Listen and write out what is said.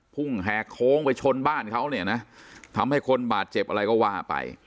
พุ่งแฮกโค้งไปชนบ้านเขาทำให้คนบาดเจ็บอะไรก็ว่าไป